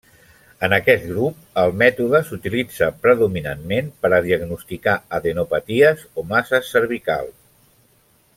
En aquest grup, el mètode s'utilitza predominantment per diagnosticar adenopaties o masses cervicals.